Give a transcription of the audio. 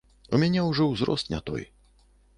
У мяне ўжо ўзрост не той.